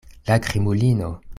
La krimulino!